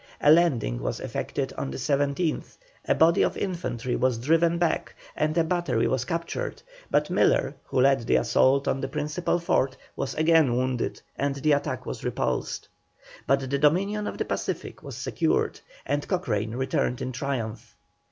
A landing was effected on the 17th; a body of infantry was driven back and a battery was captured, but Miller, who led the assault on the principal fort, was again wounded, and the attack was repulsed. But the dominion of the Pacific was secured, and Cochrane returned in triumph.